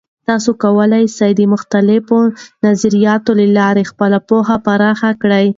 تاسې کولای سئ د مختلفو نظریاتو له لارې خپله پوهه پراخه کړئ.